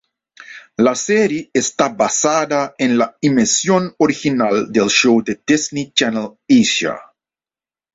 La serie está basada en la emisión original del show de Disney Channel Asia.